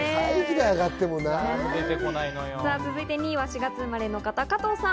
続いて２位は４月生まれの方、加藤さん。